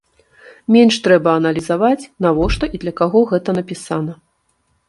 Менш трэба аналізаваць, навошта і для каго гэта напісана.